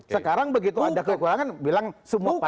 sekarang begitu ada kekurangan bilang semua partai